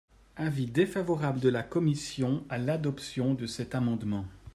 Avis défavorable de la commission à l’adoption de cet amendement.